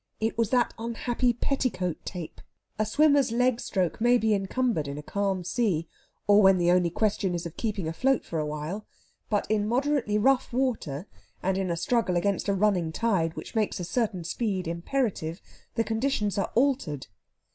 It was that unhappy petticoat tape! A swimmer's leg stroke may be encumbered in a calm sea, or when the only question is of keeping afloat for awhile. But in moderately rough water, and in a struggle against a running tide which makes a certain speed imperative the conditions are altered.